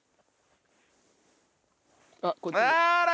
あら！